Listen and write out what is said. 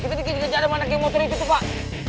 kita dikejar kejar sama anak game monster itu pak